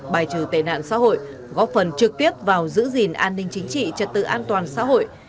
bài trừ tệ nạn xã hội góp phần trực tiếp vào giữ gìn an ninh chính trị trật tự an toàn xã hội